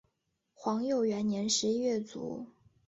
皇佑元年十一月卒。